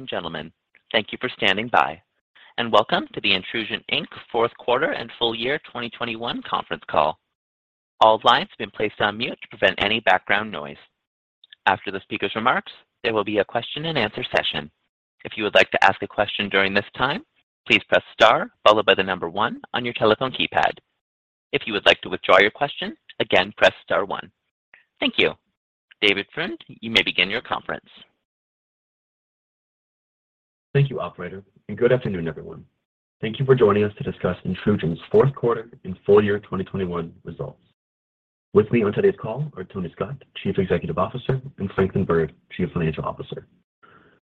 Ladies and gentlemen, thank you for standing by, and welcome to the Intrusion Inc. fourth quarter and full year 2021 conference call. All lines have been placed on mute to prevent any background noise. After the speaker's remarks, there will be a question-and-answer session. If you would like to ask a question during this time, please press star followed by the number one on your telephone keypad. If you would like to withdraw your question, again, press star one. Thank you. David Friend, you may begin your conference. Thank you, operator, and good afternoon, everyone. Thank you for joining us to discuss Intrusion's fourth quarter and full year 2021 results. With me on today's call are Tony Scott, Chief Executive Officer, and Franklin Byrd, Chief Financial Officer.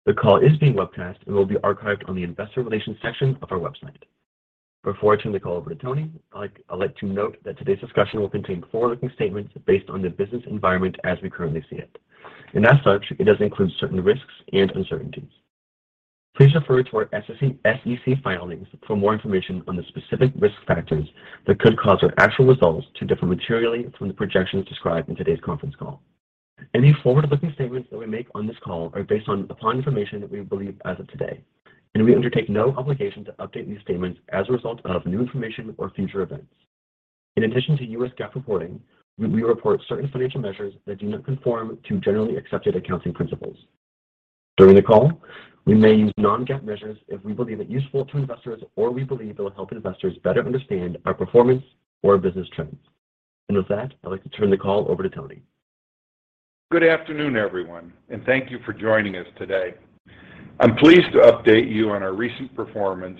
The call is being webcast and will be archived on the Investor Relations section of our website. Before I turn the call over to Tony, I'd like to note that today's discussion will contain forward-looking statements based on the business environment as we currently see it, and as such, it does include certain risks and uncertainties. Please refer to our SEC filings for more information on the specific risk factors that could cause our actual results to differ materially from the projections described in today's conference call. Any forward-looking statements that we make on this call are based upon information that we believe as of today, and we undertake no obligation to update these statements as a result of new information or future events. In addition to U.S. GAAP reporting, we report certain financial measures that do not conform to generally accepted accounting principles. During the call, we may use non-GAAP measures if we believe it useful to investors or we believe it will help investors better understand our performance or business trends. With that, I'd like to turn the call over to Tony. Good afternoon, everyone, and thank you for joining us today. I'm pleased to update you on our recent performance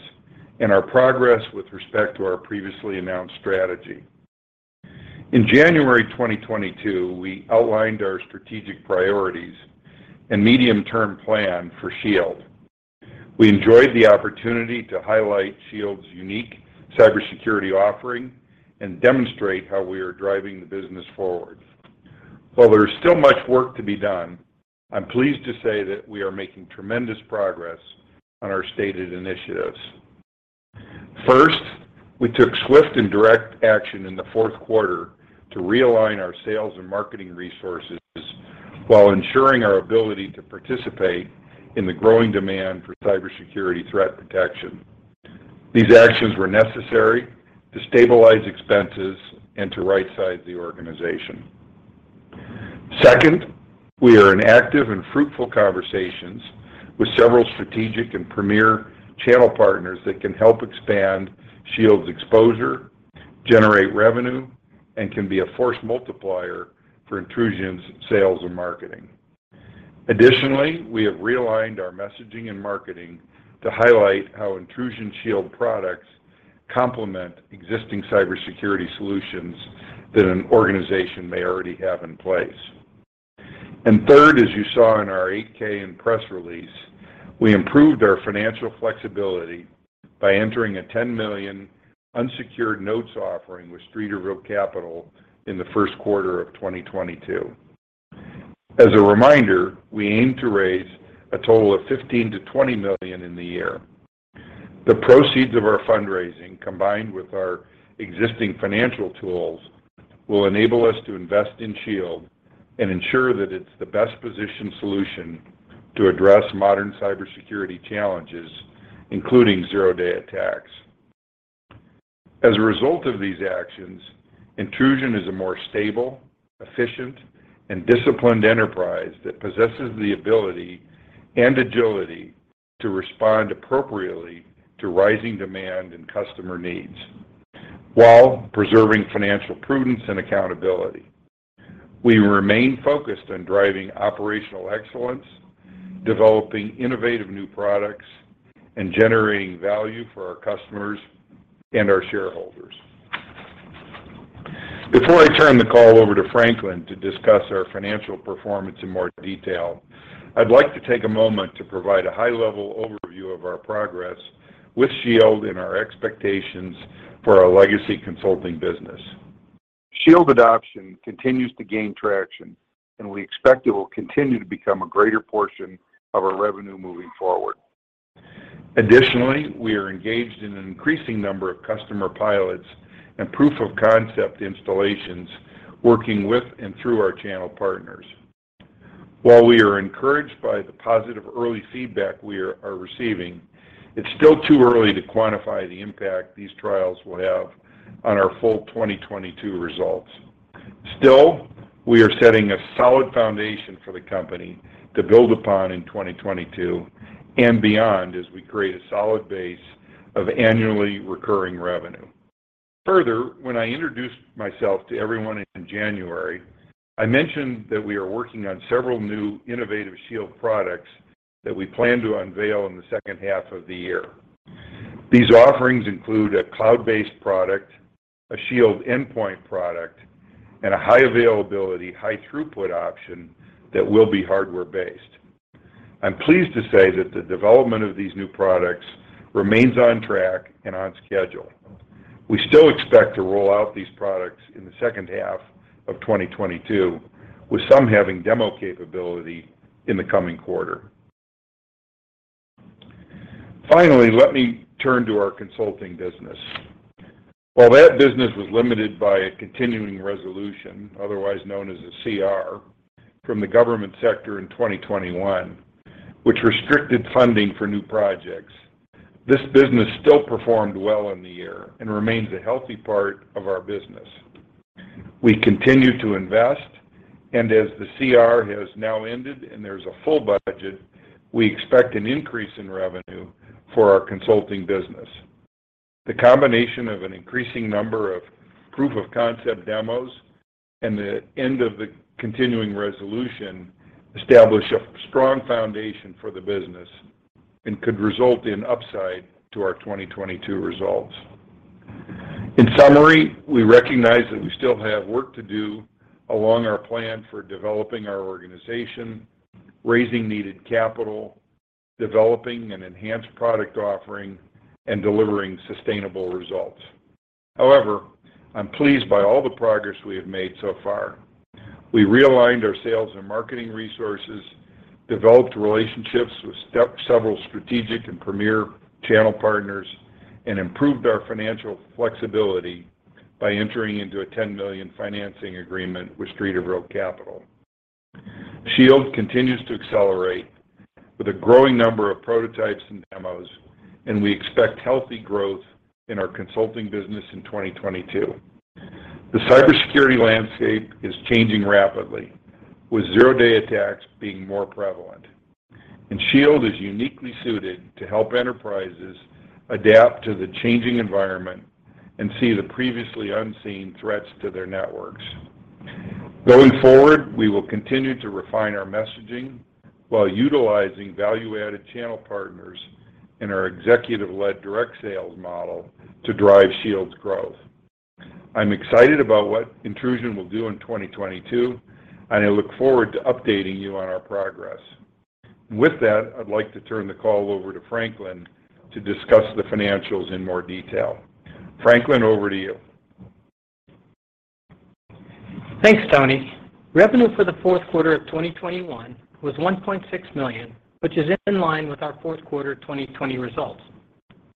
and our progress with respect to our previously announced strategy. In January 2022, we outlined our strategic priorities and medium-term plan for Shield. We enjoyed the opportunity to highlight Shield's unique cybersecurity offering and demonstrate how we are driving the business forward. While there is still much work to be done, I'm pleased to say that we are making tremendous progress on our stated initiatives. First, we took swift and direct action in the fourth quarter to realign our sales and marketing resources while ensuring our ability to participate in the growing demand for cybersecurity threat protection. These actions were necessary to stabilize expenses and to right size the organization. Second, we are in active and fruitful conversations with several strategic and premier channel partners that can help expand Shield's exposure, generate revenue, and can be a force multiplier for Intrusion's sales and marketing. Additionally, we have realigned our messaging and marketing to highlight how Intrusion Shield products complement existing cybersecurity solutions that an organization may already have in place. Third, as you saw in our 8-K and press release, we improved our financial flexibility by entering a $10 million unsecured notes offering with Streeterville Capital in the first quarter of 2022. As a reminder, we aim to raise a total of $15 million-$20 million in the year. The proceeds of our fundraising, combined with our existing financial tools, will enable us to invest in Shield and ensure that it's the best positioned solution to address modern cybersecurity challenges, including zero-day attacks. As a result of these actions, Intrusion is a more stable, efficient, and disciplined enterprise that possesses the ability and agility to respond appropriately to rising demand and customer needs while preserving financial prudence and accountability. We remain focused on driving operational excellence, developing innovative new products, and generating value for our customers and our shareholders. Before I turn the call over to Franklin to discuss our financial performance in more detail, I'd like to take a moment to provide a high-level overview of our progress with Shield and our expectations for our legacy consulting business. Shield adoption continues to gain traction, and we expect it will continue to become a greater portion of our revenue moving forward. Additionally, we are engaged in an increasing number of customer pilots and proof-of-concept installations working with and through our channel partners. While we are encouraged by the positive early feedback we are receiving, it's still too early to quantify the impact these trials will have on our full 2022 results. Still, we are setting a solid foundation for the company to build upon in 2022 and beyond as we create a solid base of annually recurring revenue. Further, when I introduced myself to everyone in January, I mentioned that we are working on several new innovative Shield products that we plan to unveil in the second half of the year. These offerings include a cloud-based product, a Shield endpoint product, and a high availability, high throughput option that will be hardware-based. I'm pleased to say that the development of these new products remains on track and on schedule. We still expect to roll out these products in the second half of 2022, with some having demo capability in the coming quarter. Finally, let me turn to our consulting business. While that business was limited by a continuing resolution, otherwise known as a CR, from the government sector in 2021, which restricted funding for new projects, this business still performed well in the year and remains a healthy part of our business. We continue to invest, and as the CR has now ended and there's a full budget, we expect an increase in revenue for our consulting business. The combination of an increasing number of proof of concept demos and the end of the continuing resolution establish a strong foundation for the business and could result in upside to our 2022 results. In summary, we recognize that we still have work to do along our plan for developing our organization, raising needed capital, developing an enhanced product offering, and delivering sustainable results. However, I'm pleased by all the progress we have made so far. We realigned our sales and marketing resources, developed relationships with several strategic and premier channel partners, and improved our financial flexibility by entering into a $10 million financing agreement with Streeterville Capital. Shield continues to accelerate with a growing number of prototypes and demos, and we expect healthy growth in our consulting business in 2022. The cybersecurity landscape is changing rapidly, with zero-day attacks being more prevalent. Shield is uniquely suited to help enterprises adapt to the changing environment and see the previously unseen threats to their networks. Going forward, we will continue to refine our messaging while utilizing value-added channel partners in our executive-led direct sales model to drive Shield's growth. I'm excited about what Intrusion will do in 2022, and I look forward to updating you on our progress. With that, I'd like to turn the call over to Franklin to discuss the financials in more detail. Franklin, over to you. Thanks, Tony. Revenue for the fourth quarter of 2021 was $1.6 million, which is in line with our fourth quarter 2020 results.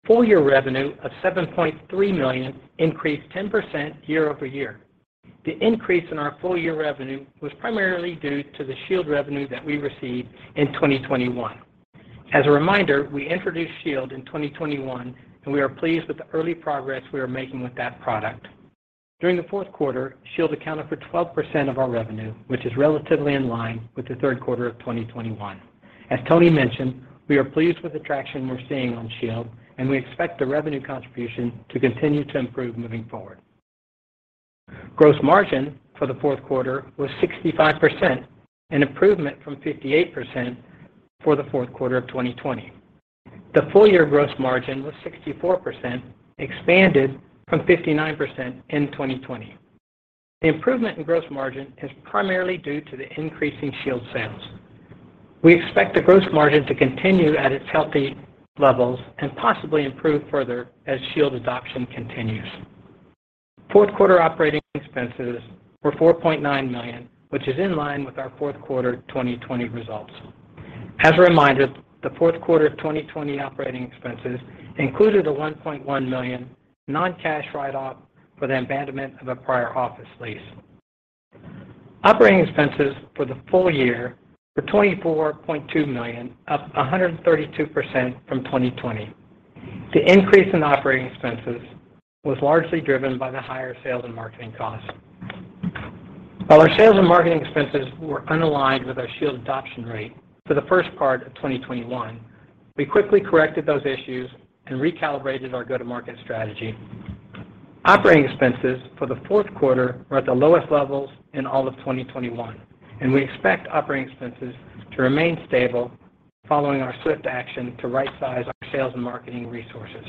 Full year revenue of $7.3 million increased 10% year-over-year. The increase in our full year revenue was primarily due to the Shield revenue that we received in 2021. As a reminder, we introduced Shield in 2021, and we are pleased with the early progress we are making with that product. During the fourth quarter, Shield accounted for 12% of our revenue, which is relatively in line with the third quarter of 2021. As Tony mentioned, we are pleased with the traction we're seeing on Shield, and we expect the revenue contribution to continue to improve moving forward. Gross margin for the fourth quarter was 65%, an improvement from 58% for the fourth quarter of 2020. The full year gross margin was 64%, expanded from 59% in 2020. The improvement in gross margin is primarily due to the increasing Shield sales. We expect the gross margin to continue at its healthy levels and possibly improve further as Shield adoption continues. Fourth quarter operating expenses were $4.9 million, which is in line with our fourth quarter 2020 results. As a reminder, the fourth quarter 2020 operating expenses included a $1.1 million non-cash write-off for the abandonment of a prior office lease. Operating expenses for the full year were $24.2 million, up 132% from 2020. The increase in operating expenses was largely driven by the higher sales and marketing costs. While our sales and marketing expenses were unaligned with our Shield adoption rate for the first part of 2021, we quickly corrected those issues and recalibrated our go-to-market strategy. Operating expenses for the fourth quarter are at the lowest levels in all of 2021, and we expect operating expenses to remain stable following our swift action to right size our sales and marketing resources.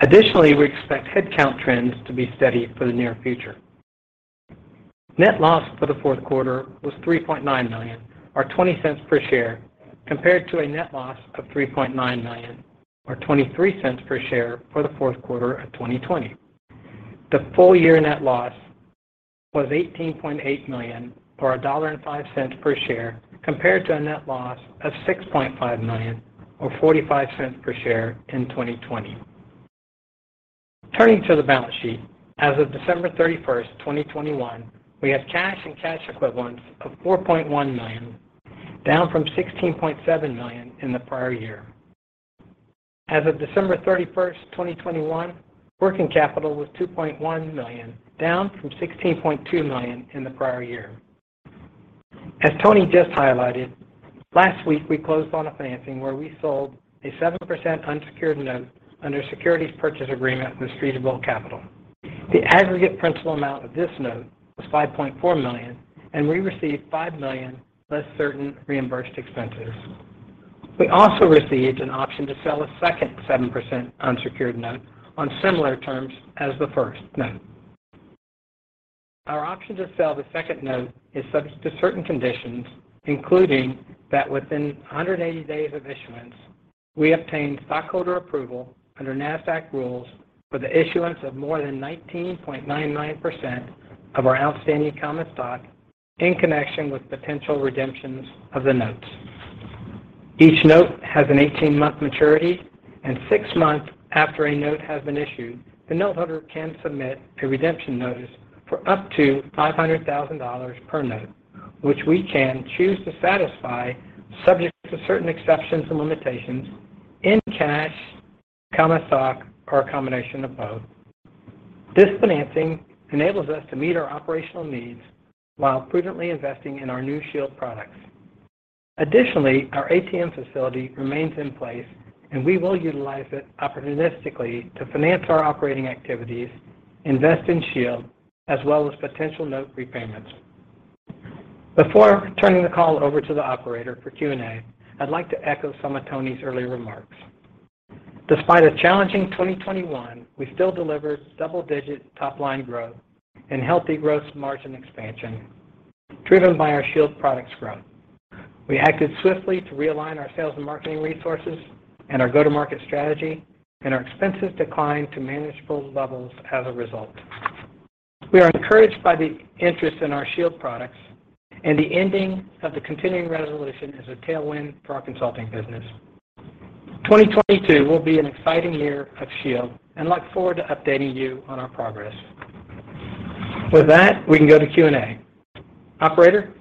Additionally, we expect headcount trends to be steady for the near future. Net loss for the fourth quarter was $3.9 million or $0.20 per share, compared to a net loss of $3.9 million or $0.23 per share for the fourth quarter of 2020. The full year net loss was $18.8 million or $1.05 per share, compared to a net loss of $6.5 million or $0.45 per share in 2020. Turning to the balance sheet. As of December 31, 2021, we have cash and cash equivalents of $4.1 million, down from $16.7 million in the prior year. As of December 31, 2021, working capital was $2.1 million, down from $16.2 million in the prior year. As Tony just highlighted, last week we closed on a financing where we sold a 7% unsecured note under a Securities Purchase Agreement with Streeterville Capital. The aggregate principal amount of this note was $5.4 million, and we received $5 million less certain reimbursed expenses. We also received an option to sell a second 7% unsecured note on similar terms as the first note. Our option to sell the second note is subject to certain conditions, including that within 180 days of issuance, we obtain stockholder approval under NASDAQ rules for the issuance of more than 19.99% of our outstanding common stock. In connection with potential redemptions of the notes. Each note has an 18-month maturity, and 6 months after a note has been issued, the note holder can submit a redemption notice for up to $500,000 per note, which we can choose to satisfy, subject to certain exceptions and limitations, in cash, common stock, or a combination of both. This financing enables us to meet our operational needs while prudently investing in our new Shield products. Additionally, our ATM facility remains in place, and we will utilize it opportunistically to finance our operating activities, invest in Shield, as well as potential note repayments. Before turning the call over to the operator for Q&A, I'd like to echo some of Tony's early remarks. Despite a challenging 2021, we still delivered double-digit top-line growth and healthy gross margin expansion, driven by our Shield products growth. We acted swiftly to realign our sales and marketing resources and our go-to-market strategy, and our expenses declined to manageable levels as a result. We are encouraged by the interest in our Shield products and the ending of the continuing resolution as a tailwind for our consulting business. 2022 will be an exciting year of Shield, and we look forward to updating you on our progress. With that, we can go to Q&A. Operator?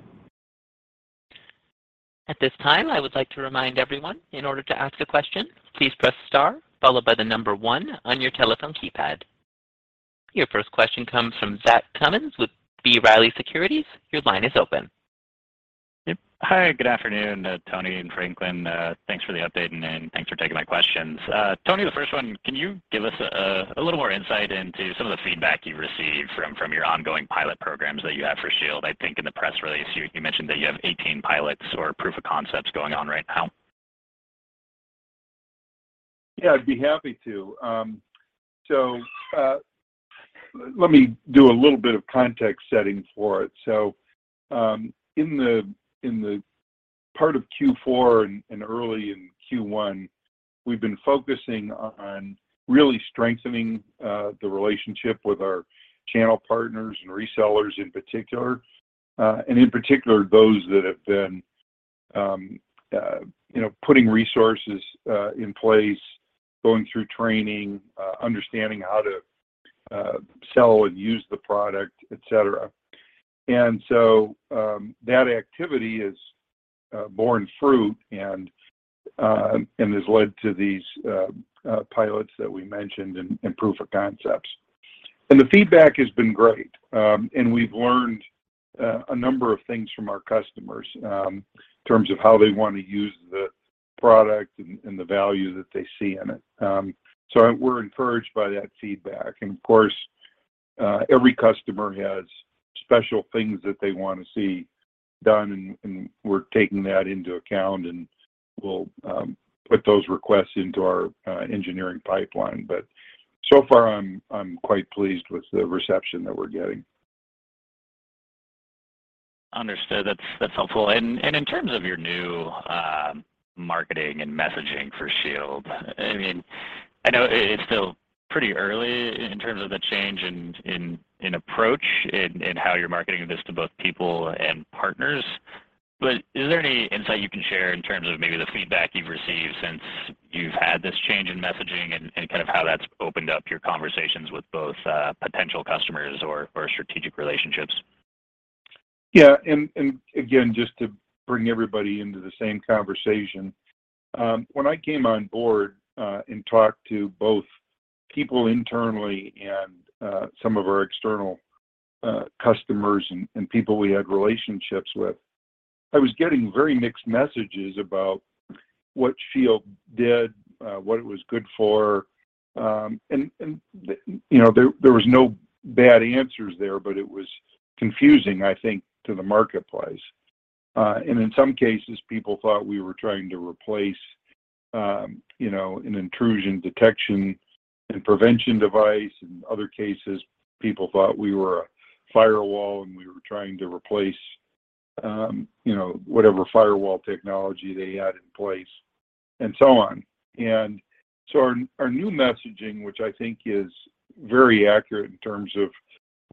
At this time, I would like to remind everyone, in order to ask a question, please press star followed by the number one on your telephone keypad. Your first question comes from Zach Cummins with B. Riley Securities. Your line is open. Yep. Hi, good afternoon, Tony and Franklin. Thanks for the update and then thanks for taking my questions. Tony, the first one, can you give us a little more insight into some of the feedback you've received from your ongoing pilot programs that you have for Shield? I think in the press release you mentioned that you have 18 pilots or proof of concepts going on right now. Yeah, I'd be happy to. Let me do a little bit of context setting for it. In the part of Q4 and early in Q1, we've been focusing on really strengthening the relationship with our channel partners and resellers in particular, and in particular, those that have been, you know, putting resources in place, going through training, understanding how to sell and use the product, et cetera. That activity has borne fruit and has led to these pilots that we mentioned and proof of concepts. The feedback has been great. We've learned a number of things from our customers in terms of how they wanna use the product and the value that they see in it. We're encouraged by that feedback. Of course, every customer has special things that they wanna see done, and we're taking that into account and we'll put those requests into our engineering pipeline. So far I'm quite pleased with the reception that we're getting. Understood. That's helpful. In terms of your new marketing and messaging for Shield, I mean, I know it's still pretty early in terms of the change in approach in how you're marketing this to both people and partners, but is there any insight you can share in terms of maybe the feedback you've received since you've had this change in messaging and kind of how that's opened up your conversations with both potential customers or strategic relationships? Yeah. Again, just to bring everybody into the same conversation, when I came on board and talked to both people internally and some of our external customers and people we had relationships with, I was getting very mixed messages about what Shield did, what it was good for. You know, there was no bad answers there, but it was confusing, I think, to the marketplace. In some cases, people thought we were trying to replace you know, an intrusion detection and prevention device. In other cases, people thought we were a firewall, and we were trying to replace you know, whatever firewall technology they had in place, and so on. Our new messaging, which I think is very accurate in terms of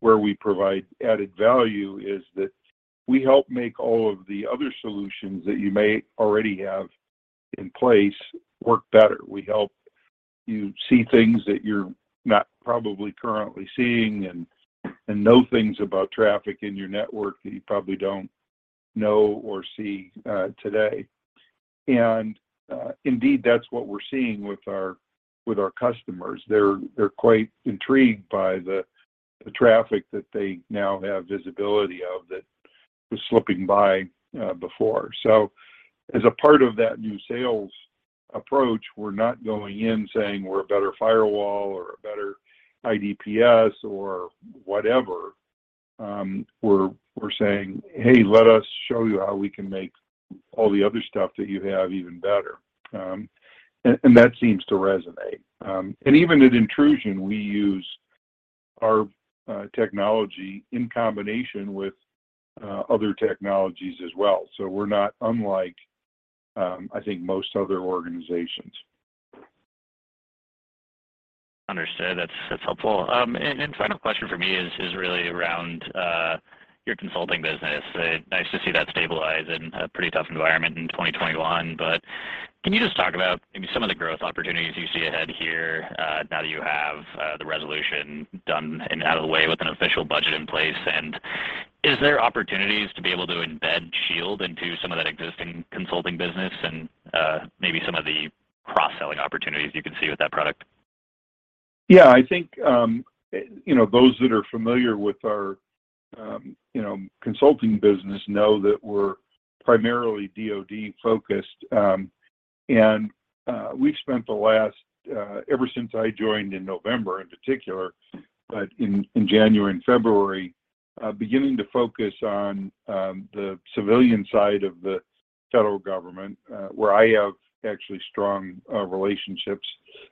where we provide added value, is that we help make all of the other solutions that you may already have in place work better. We help you see things that you're not probably currently seeing and know things about traffic in your network that you probably don't know or see today. Indeed, that's what we're seeing with our customers. They're quite intrigued by the traffic that they now have visibility of that was slipping by before. As a part of that new sales approach, we're not going in saying we're a better firewall or a better IDPS or whatever. We're saying, "Hey, let us show you how we can make all the other stuff that you have even better." That seems to resonate. Even at Intrusion, we use our technology in combination with other technologies as well. We're not unlike, I think, most other organizations. Understood. That's helpful. Final question for me is really around your consulting business. Nice to see that stabilize in a pretty tough environment in 2021. Can you just talk about maybe some of the growth opportunities you see ahead here, now that you have the resolution done and out of the way with an official budget in place? Is there opportunities to be able to embed Shield into some of that existing consulting business and maybe some of the cross-selling opportunities you can see with that product? Yeah. I think, you know, those that are familiar with our, you know, consulting business know that we're primarily DoD focused. We've spent the last ever since I joined in November in particular, but in January and February beginning to focus on the civilian side of the federal government where I have actually strong relationships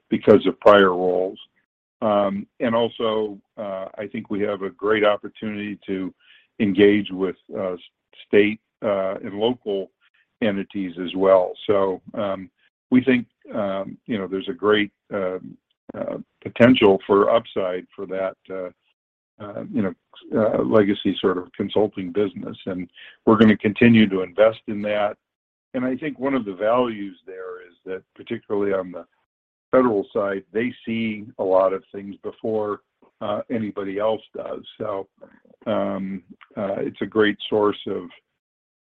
because of prior roles. Also, I think we have a great opportunity to engage with state and local entities as well. We think, you know, there's a great potential for upside for that, you know, legacy sort of consulting business and we're gonna continue to invest in that. I think one of the values there is that, particularly on the federal side, they see a lot of things before anybody else does. It's a great source of,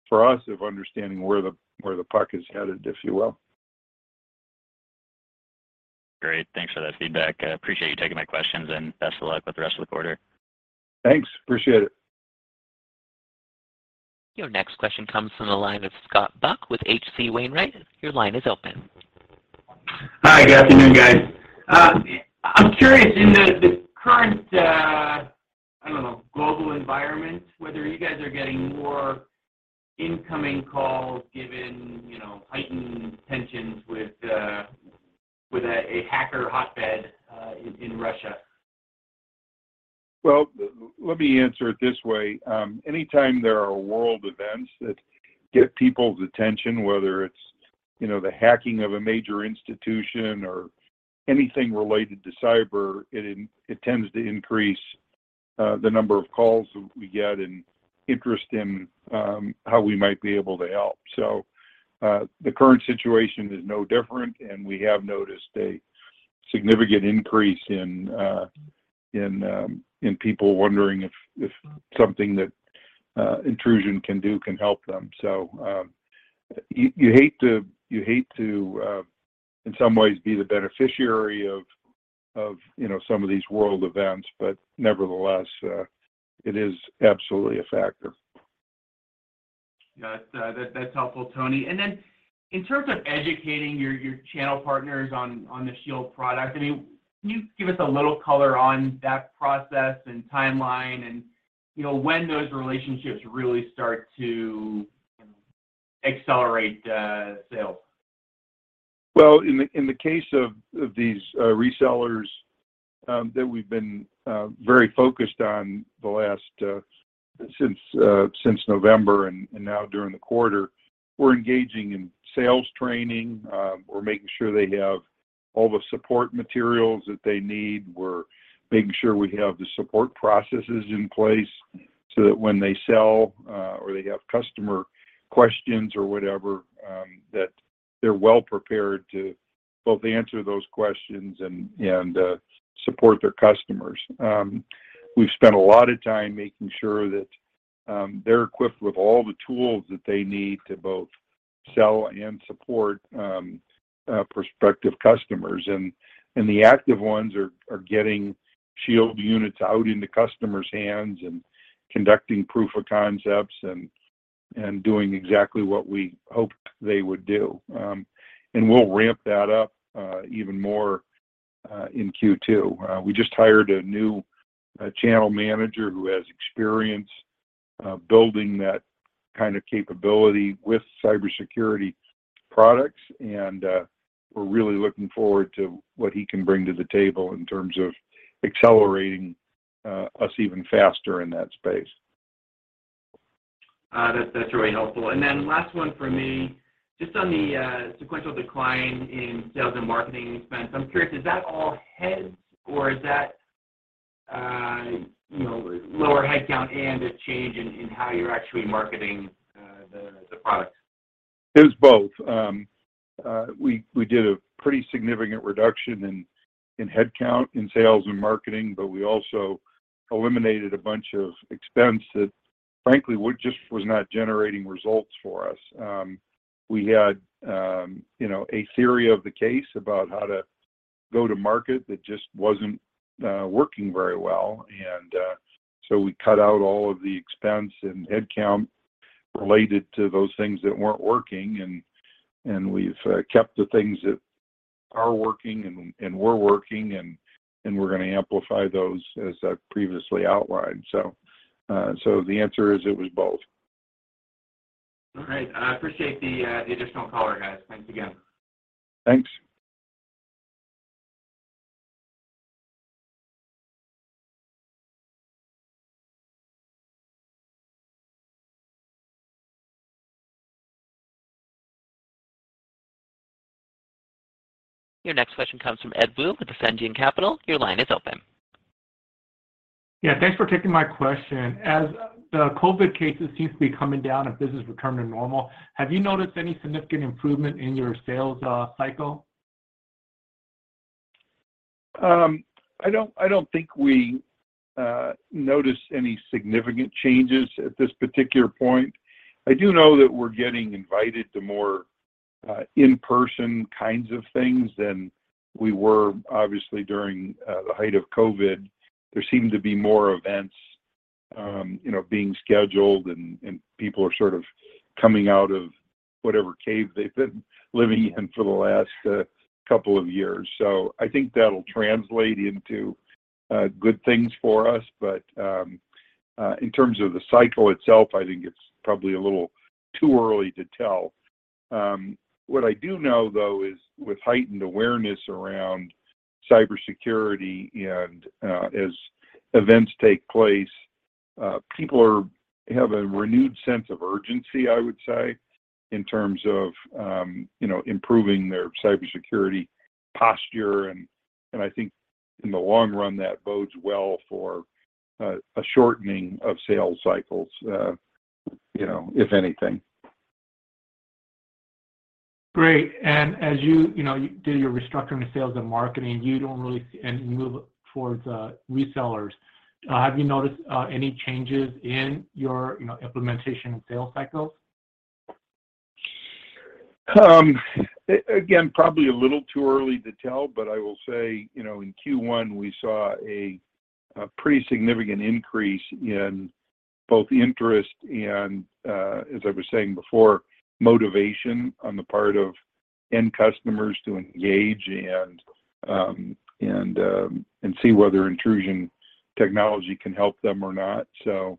for us, understanding where the puck is headed, if you will. Great. Thanks for that feedback. I appreciate you taking my questions, and best of luck with the rest of the quarter. Thanks. Appreciate it. Your next question comes from the line of Scott Buck with H.C. Wainwright. Your line is open. Hi, good afternoon, guys. I'm curious in the current, I don't know, global environment, whether you guys are getting more incoming calls given, you know, heightened tensions with a hacker hotbed in Russia. Well, let me answer it this way. Anytime there are world events that get people's attention, whether it's, you know, the hacking of a major institution or anything related to cyber, it tends to increase the number of calls we get and interest in how we might be able to help. The current situation is no different, and we have noticed a significant increase in people wondering if something that Intrusion can do can help them. You hate to in some ways be the beneficiary of you know some of these world events. Nevertheless, it is absolutely a factor. Yeah, that's helpful, Tony. Then in terms of educating your channel partners on the Shield product, I mean, can you give us a little color on that process and timeline and, you know, when those relationships really start to accelerate sales? Well, in the case of these resellers that we've been very focused on since November and now during the quarter, we're engaging in sales training. We're making sure they have all the support materials that they need. We're making sure we have the support processes in place so that when they sell or they have customer questions or whatever that they're well prepared to both answer those questions and support their customers. We've spent a lot of time making sure that they're equipped with all the tools that they need to both sell and support prospective customers. The active ones are getting Shield units out into customers' hands and conducting proof of concepts and doing exactly what we hoped they would do. We'll ramp that up even more in Q2. We just hired a new channel manager who has experience building that kind of capability with cybersecurity products and we're really looking forward to what he can bring to the table in terms of accelerating us even faster in that space. That's really helpful. Then last one for me, just on the sequential decline in sales and marketing expense. I'm curious, is that all heads or is that lower headcount and a change in how you're actually marketing the product? It was both. We did a pretty significant reduction in headcount in sales and marketing, but we also eliminated a bunch of expense that frankly just was not generating results for us. We had, you know, a theory of the case about how to go to market that just wasn't working very well. We cut out all of the expense and headcount related to those things that weren't working and we've kept the things that are working and were working and we're gonna amplify those as I previously outlined. The answer is it was both. All right. I appreciate the additional color, guys. Thanks again. Thanks. Your next question comes from Edward Woo with Ascendiant Capital. Your line is open. Yeah, thanks for taking my question. As the COVID cases seem to be coming down and businesses return to normal, have you noticed any significant improvement in your sales cycle? I don't think we notice any significant changes at this particular point. I do know that we're getting invited to more in-person kinds of things than we were obviously during the height of COVID. There seemed to be more events, you know, being scheduled and people are sort of coming out of whatever cave they've been living in for the last couple of years. I think that'll translate into good things for us. In terms of the cycle itself, I think it's probably a little too early to tell. What I do know though is with heightened awareness around cybersecurity and, as events take place, people have a renewed sense of urgency, I would say, in terms of, you know, improving their cybersecurity posture and I think in the long run that bodes well for a shortening of sales cycles, you know, if anything. Great. As you know, you did your restructuring of sales and marketing, you don't really see any move towards resellers. Have you noticed any changes in your, you know, implementation and sales cycles? Again, probably a little too early to tell, but I will say, you know, in Q1 we saw a pretty significant increase in both interest and, as I was saying before, motivation on the part of end customers to engage and see whether Intrusion technology can help them or not. You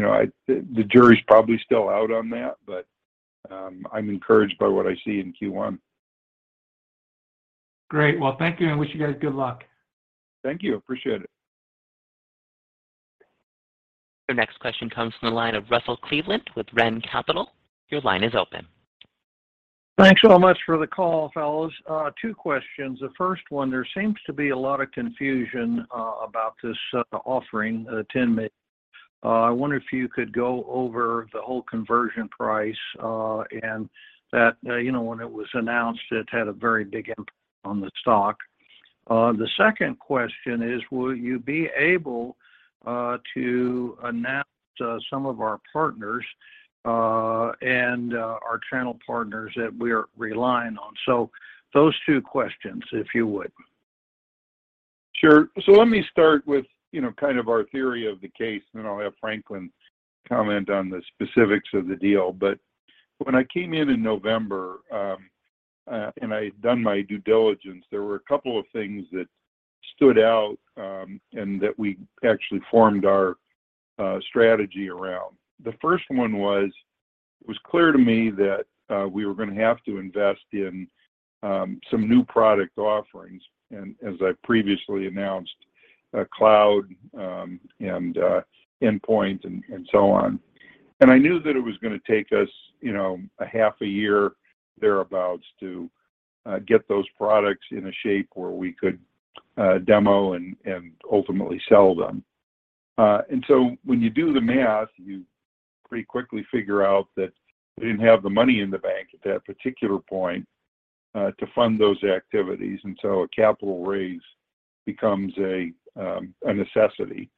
know, the jury's probably still out on that, but I'm encouraged by what I see in Q1. Great. Well, thank you, and I wish you guys good luck. Thank you. Appreciate it. Your next question comes from the line of Russell Cleveland with RENN Capital. Your line is open. Thanks so much for the call, fellas. Two questions. The first one, there seems to be a lot of confusion about this offering, $10 million. I wonder if you could go over the whole conversion price, and that, you know, when it was announced, it had a very big impact on the stock. The second question is, will you be able to announce some of our partners and our channel partners that we're relying on? Those two questions, if you would. Sure. Let me start with, you know, kind of our theory of the case, and then I'll have Franklin comment on the specifics of the deal. When I came in in November, and I'd done my due diligence, there were a couple of things that stood out, and that we actually formed our strategy around. The first one was it was clear to me that we were gonna have to invest in some new product offerings and as I previously announced, cloud, and endpoint and so on. I knew that it was gonna take us, you know, a half a year thereabout to get those products in a shape where we could demo and ultimately sell them. When you do the math, you pretty quickly figure out that we didn't have the money in the bank at that particular point to fund those activities, and so a capital raise becomes a necessity.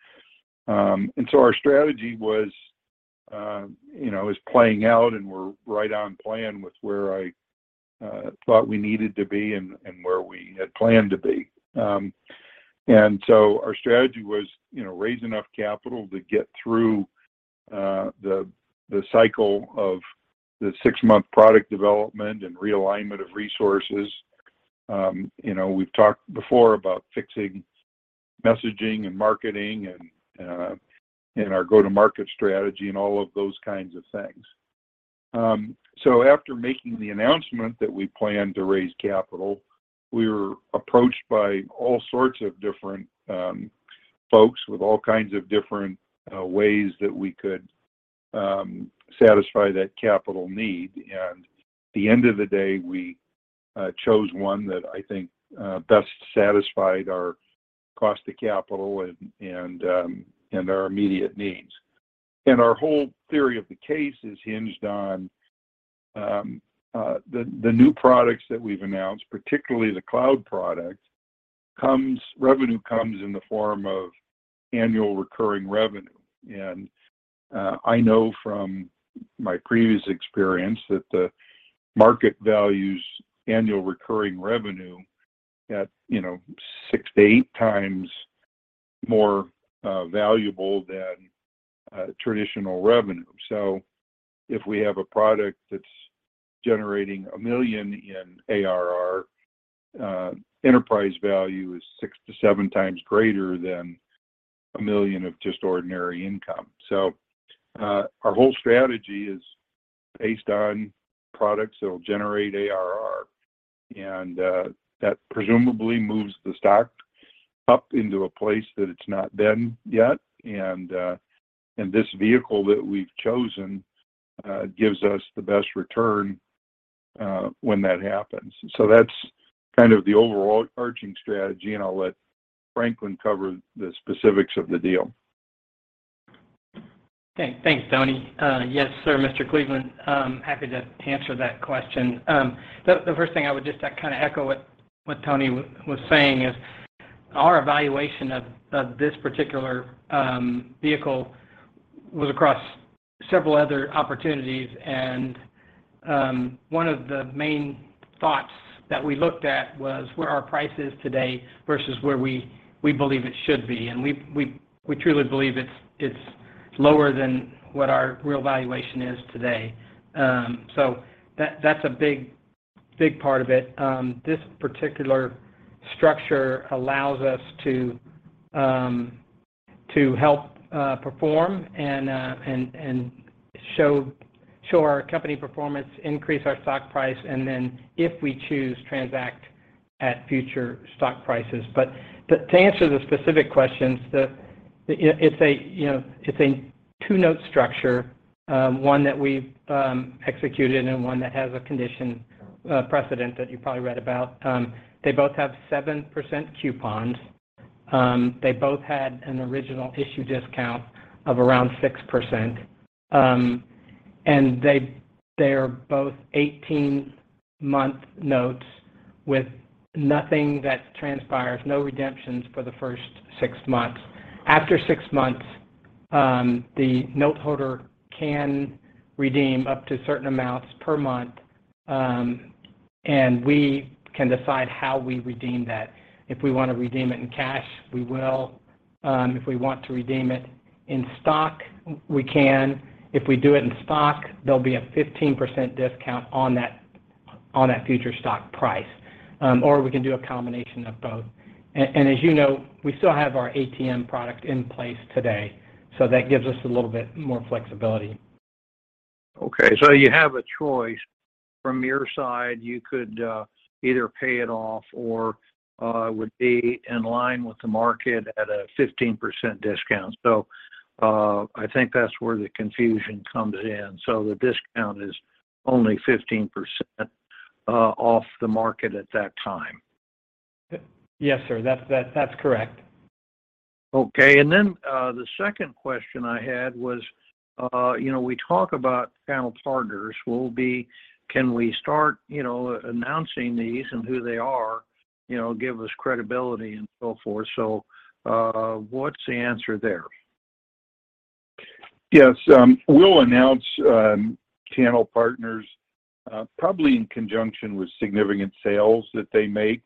Our strategy was, you know, is playing out and we're right on plan with where I thought we needed to be and where we had planned to be. Our strategy was, you know, raise enough capital to get through the cycle of the six-month product development and realignment of resources. You know, we've talked before about fixing messaging and marketing and our go-to-market strategy and all of those kinds of things. After making the announcement that we planned to raise capital, we were approached by all sorts of different folks with all kinds of different ways that we could satisfy that capital need. At the end of the day, we chose one that I think best satisfied our cost to capital and our immediate needs. Our whole theory of the case is hinged on the new products that we've announced, particularly the cloud product, revenue comes in the form of annual recurring revenue. I know from my previous experience that the market values annual recurring revenue at, you know, 6-8 times more valuable than traditional revenue. If we have a product that's generating $1 million in ARR, enterprise value is 6-7 times greater than $1 million of just ordinary income. Our whole strategy is based on products that will generate ARR. That presumably moves the stock up into a place that it's not been yet, and this vehicle that we've chosen gives us the best return when that happens. That's kind of the overall overarching strategy, and I'll let Franklin cover the specifics of the deal. Okay. Thanks, Tony. Yes, sir, Mr. Cleveland, I'm happy to answer that question. The first thing I would just kind of echo what Tony was saying is our evaluation of this particular vehicle was across several other opportunities, one of the main thoughts that we looked at was where our price is today versus where we believe it should be. We truly believe it's lower than what our real valuation is today. So that's a big part of it. This particular structure allows us to help perform and show our company performance, increase our stock price, and then if we choose, transact at future stock prices. To answer the specific questions, it's a two-note structure, you know, one that we've executed and one that has a condition precedent that you probably read about. They both have 7% coupons. They both had an original issue discount of around 6%. They are both 18-month notes with nothing that transpires, no redemptions for the first six months. After six months, the note holder can redeem up to certain amounts per month, and we can decide how we redeem that. If we wanna redeem it in cash, we will. If we want to redeem it in stock, we can. If we do it in stock, there'll be a 15% discount on that future stock price. We can do a combination of both. As you know, we still have our ATM product in place today, so that gives us a little bit more flexibility. Okay. You have a choice. From your side, you could either pay it off or would be in line with the market at a 15% discount. I think that's where the confusion comes in. The discount is only 15% off the market at that time. Yes, sir. That's correct. Okay. The second question I had was, you know, we talk about panel partners will be, can we start, you know, announcing these and who they are, you know, give us credibility and so forth. What's the answer there? Yes. We'll announce channel partners probably in conjunction with significant sales that they make.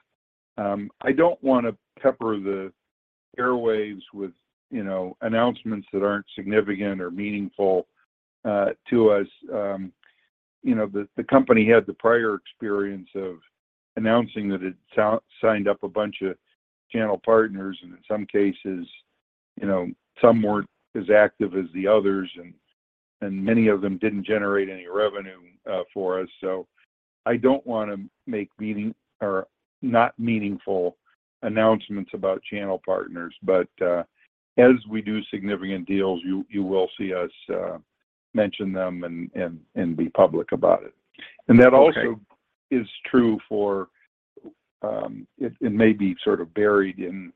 I don't wanna pepper the airwaves with, you know, announcements that aren't significant or meaningful to us. You know, the company had the prior experience of announcing that it signed up a bunch of channel partners, and in some cases, you know, some weren't as active as the others and many of them didn't generate any revenue for us. I don't wanna make meaningless or not meaningful announcements about channel partners. As we do significant deals, you will see us mention them and be public about it. Okay. That also is true for it. It may be sort of buried in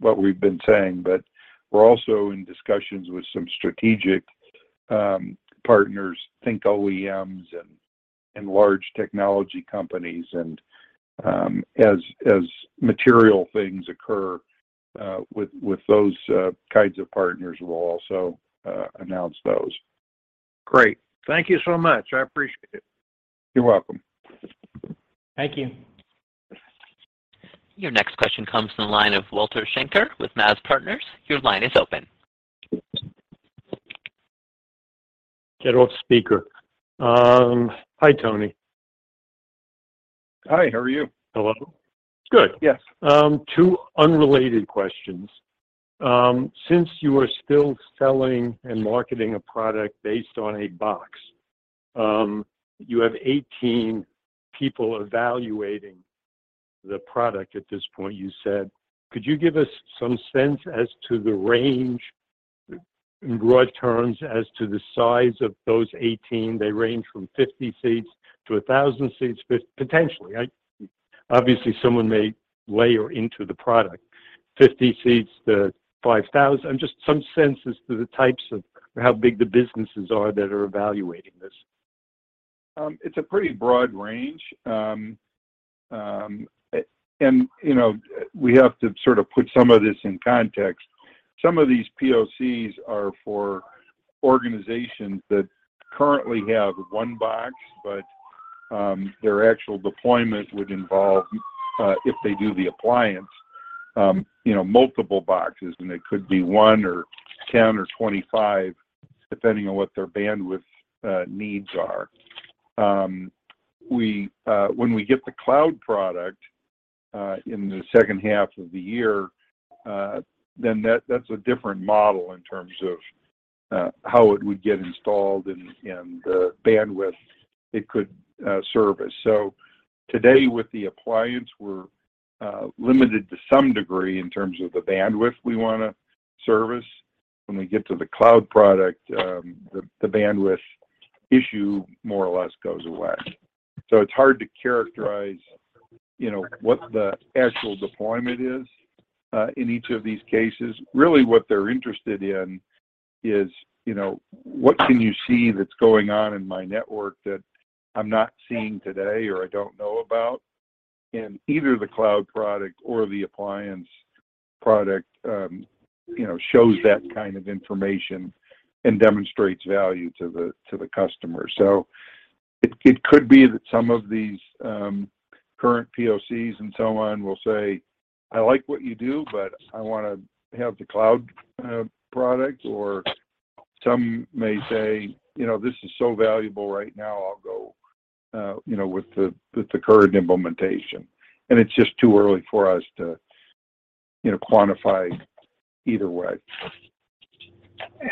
what we've been saying, but we're also in discussions with some strategic partners, think OEMs and large technology companies. As material things occur with those kinds of partners, we'll also announce those. Great. Thank you so much. I appreciate it. You're welcome. Thank you. Your next question comes from the line of Walter Schenker with MAZ Partners. Your line is open. Get off speaker. Hi, Tony. Hi. How are you? Hello. Good. Yes. Two unrelated questions. Since you are still selling and marketing a product based on a box, you have 18 people evaluating the product at this point, you said. Could you give us some sense as to the range, in broad terms, as to the size of those 18? They range from 50 seats to 1,000 seats, potentially. Obviously, someone may layer into the product 50 seats to 5,000. Just some sense as to the types of how big the businesses are that are evaluating this. It's a pretty broad range. You know, we have to sort of put some of this in context. Some of these POCs are for organizations that currently have one box, but their actual deployment would involve, if they do the appliance, you know, multiple boxes, and it could be 1 or 10 or 25, depending on what their bandwidth needs are. When we get the cloud product in the second half of the year, then that's a different model in terms of how it would get installed and the bandwidth it could service. Today with the appliance, we're limited to some degree in terms of the bandwidth we wanna service. When we get to the cloud product, the bandwidth issue more or less goes away. It's hard to characterize, you know, what the actual deployment is in each of these cases. Really what they're interested in is, you know, what can you see that's going on in my network that I'm not seeing today, or I don't know about? Either the cloud product or the appliance product, you know, shows that kind of information and demonstrates value to the customer. It could be that some of these current POCs and so on will say, "I like what you do, but I want to have the cloud product." Or some may say, you know, "This is so valuable right now, I'll go with the current implementation." It's just too early for us to, you know, quantify either way.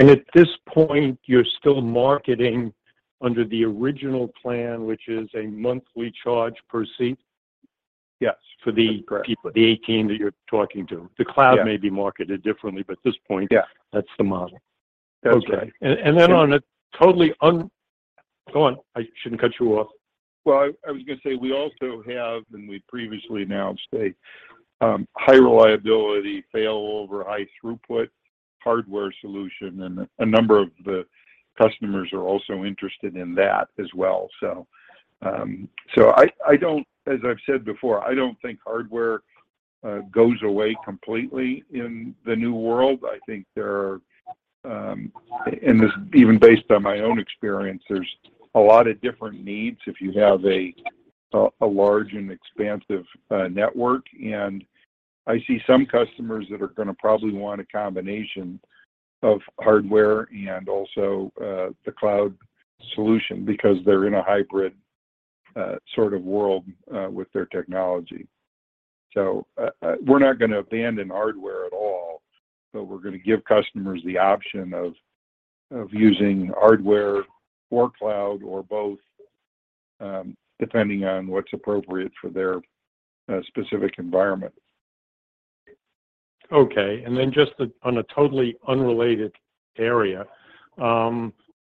At this point, you're still marketing under the original plan, which is a monthly charge per seat. Yes for the- Correct... the 18 that you're talking to. Yeah. The cloud may be marketed differently, but at this point. Yeah That's the model. That's right. Okay. Go on. I shouldn't cut you off. Well, I was gonna say, we also have, and we previously announced a high reliability failover, high throughput hardware solution, and a number of the customers are also interested in that as well. As I've said before, I don't think hardware goes away completely in the new world. I think there are, and this even based on my own experience, there's a lot of different needs if you have a large and expansive network. I see some customers that are gonna probably want a combination of hardware and also the cloud solution because they're in a hybrid sort of world with their technology. We're not gonna abandon hardware at all, but we're gonna give customers the option of using hardware or cloud or both, depending on what's appropriate for their specific environment. Okay. Just on a totally unrelated area,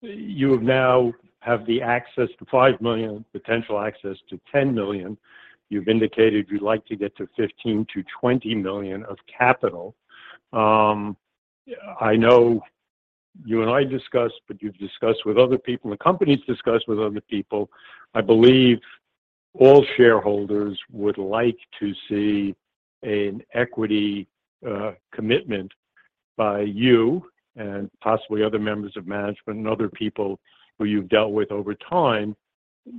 you now have access to $5 million, potential access to $10 million. You've indicated you'd like to get to $15-$20 million of capital. I know you and I discussed, but you've discussed with other people, and the company's discussed with other people. I believe all shareholders would like to see an equity commitment by you and possibly other members of management and other people who you've dealt with over time.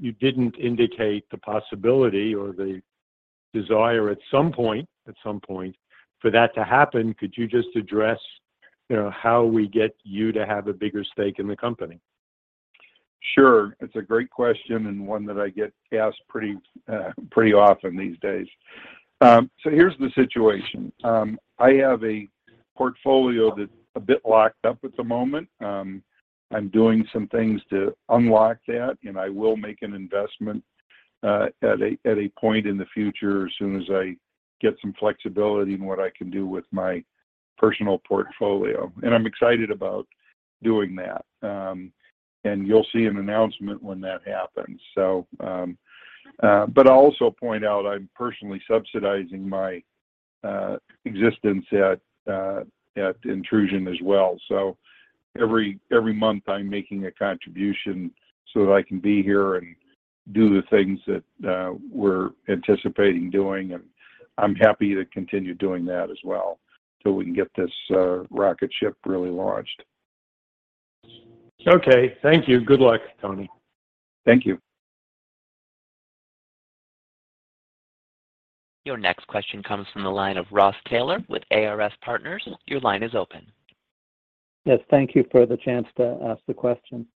You didn't indicate the possibility or the desire at some point for that to happen. Could you just address, you know, how we get you to have a bigger stake in the company? Sure. It's a great question and one that I get asked pretty often these days. Here's the situation. I have a portfolio that's a bit locked up at the moment. I'm doing some things to unlock that, and I will make an investment at a point in the future as soon as I get some flexibility in what I can do with my personal portfolio, and I'm excited about doing that. You'll see an announcement when that happens. I'll also point out I'm personally subsidizing my existence at Intrusion as well. Every month I'm making a contribution so that I can be here and do the things that we're anticipating doing, and I'm happy to continue doing that as well till we can get this rocket ship really launched. Okay. Thank you. Good luck, Tony. Thank you. Your next question comes from the line of Ross Taylor with ARS Partners. Your line is open. Yes. Thank you for the chance to ask the question.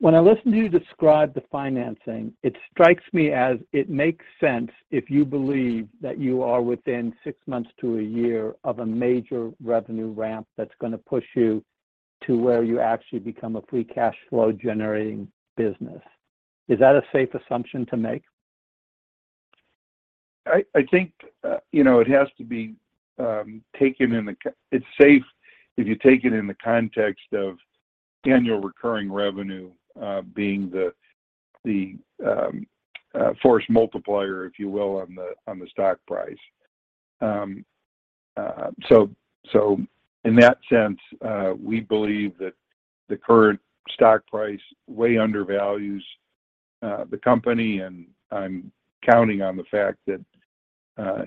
When I listen to you describe the financing, it strikes me as it makes sense if you believe that you are within six months to a year of a major revenue ramp that's gonna push you to where you actually become a free cash flow-generating business. Is that a safe assumption to make? I think you know it's safe if you take it in the context of annual recurring revenue being the force multiplier, if you will, on the stock price. In that sense, we believe that the current stock price way undervalues the company, and I'm counting on the fact that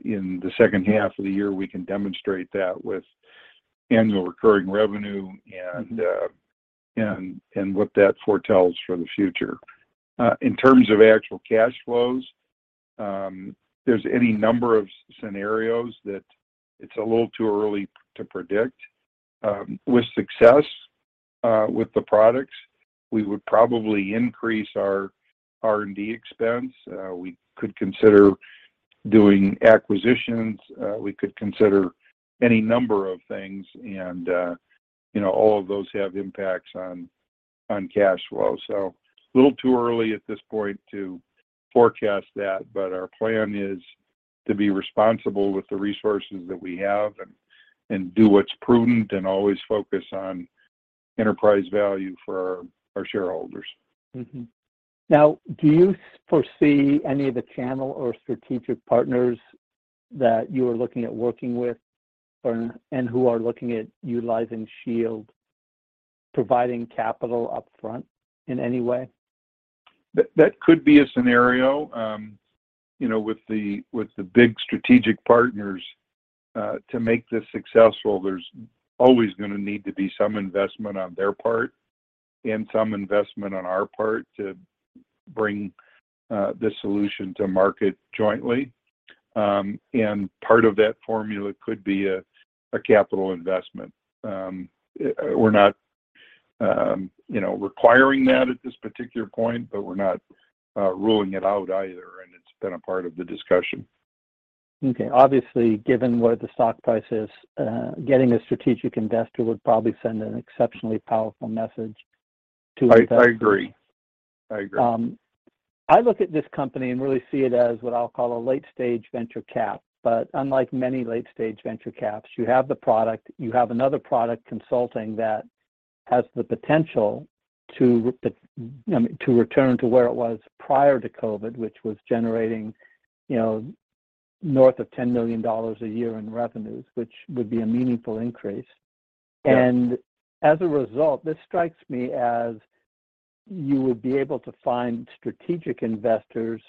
in the second half of the year, we can demonstrate that with annual recurring revenue and what that foretells for the future. In terms of actual cash flows, there's any number of scenarios that it's a little too early to predict. With the products, we would probably increase our R&D expense. We could consider doing acquisitions. We could consider any number of things and, you know, all of those have impacts on cash flow. It's a little too early at this point to forecast that. Our plan is to be responsible with the resources that we have and do what's prudent and always focus on enterprise value for our shareholders. Now, do you foresee any of the channel or strategic partners that you are looking at working with and who are looking at utilizing Shield providing capital upfront in any way? That could be a scenario. You know, with the big strategic partners, to make this successful, there's always gonna need to be some investment on their part and some investment on our part to bring this solution to market jointly. And part of that formula could be a capital investment. We're not, you know, requiring that at this particular point, but we're not ruling it out either, and it's been a part of the discussion. Okay. Obviously, given where the stock price is, getting a strategic investor would probably send an exceptionally powerful message to investors. I agree. I look at this company and really see it as what I'll call a late-stage venture cap. Unlike many late-stage venture caps, you have the product, you have another product consulting that has the potential to return to where it was prior to COVID, which was generating, you know, north of $10 million a year in revenues, which would be a meaningful increase. As a result, this strikes me as you would be able to find strategic investors.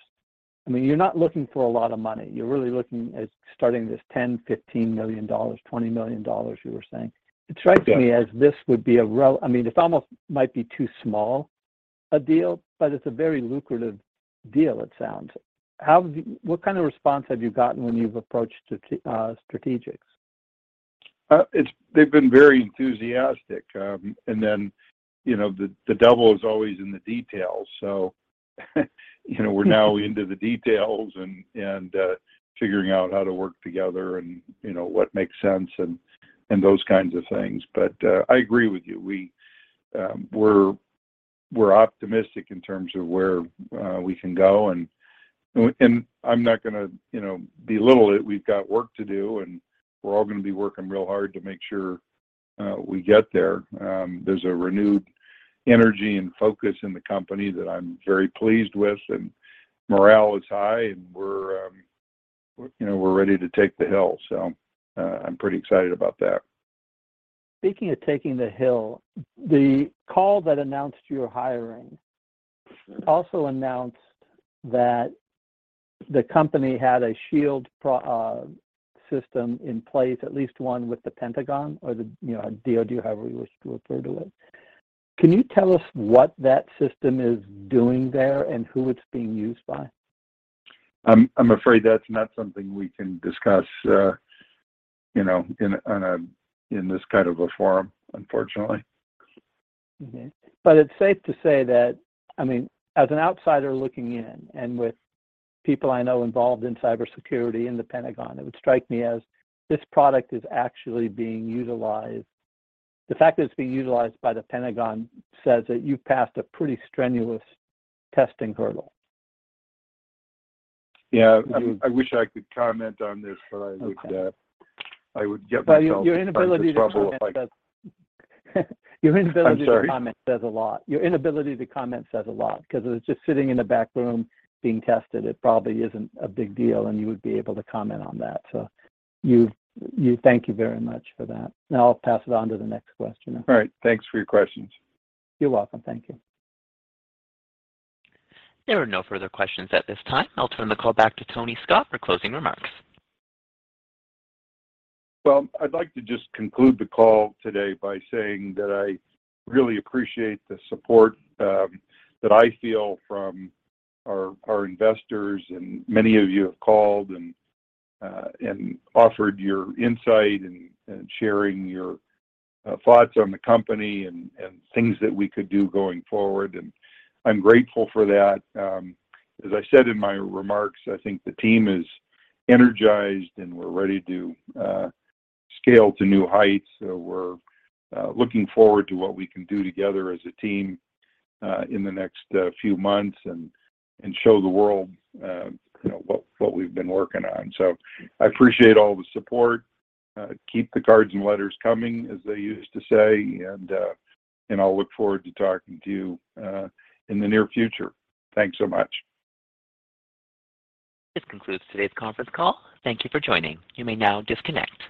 I mean, you're not looking for a lot of money. You're really looking at starting this $10-$15 million, $20 million you were saying. It strikes me as, I mean, this almost might be too small a deal, but it's a very lucrative deal, it sounds. What kind of response have you gotten when you've approached strategics? They've been very enthusiastic. Then, you know, the devil is always in the details. You know, we're now into the details and figuring out how to work together and, you know, what makes sense and those kinds of things. I agree with you. We're optimistic in terms of where we can go. I'm not gonna, you know, belittle it. We've got work to do, and we're all gonna be working real hard to make sure we get there. There's a renewed energy and focus in the company that I'm very pleased with, and morale is high, and we're ready to take the hill. I'm pretty excited about that. Speaking of taking the hill, the call that announced your hiring also announced that the company had an Intrusion Shield system in place, at least one with the Pentagon or the, you know, DoD, however you wish to refer to it. Can you tell us what that system is doing there and who it's being used by? I'm afraid that's not something we can discuss, you know, in this kind of a forum, unfortunately. It's safe to say that, I mean, as an outsider looking in, and with people I know involved in cybersecurity in the Pentagon, it would strike me as this product is actually being utilized. The fact that it's being utilized by the Pentagon says that you've passed a pretty strenuous testing hurdle. Yeah. I wish I could comment on this, but I think. Okay I would get myself in quite the trouble if I Your inability to comment says. I'm sorry? Your inability to comment says a lot. 'Cause if it's just sitting in a back room being tested, it probably isn't a big deal, and you would be able to comment on that. Thank you very much for that. Now I'll pass it on to the next questioner. All right. Thanks for your questions. You're welcome. Thank you. There are no further questions at this time. I'll turn the call back to Tony Scott for closing remarks. Well, I'd like to just conclude the call today by saying that I really appreciate the support that I feel from our investors. Many of you have called and offered your insight and sharing your thoughts on the company and things that we could do going forward, and I'm grateful for that. As I said in my remarks, I think the team is energized, and we're ready to scale to new heights. We're looking forward to what we can do together as a team in the next few months and show the world you know what we've been working on. I appreciate all the support. Keep the cards and letters coming, as they used to say, and I'll look forward to talking to you in the near future. Thanks so much. This concludes today's conference call. Thank you for joining. You may now disconnect.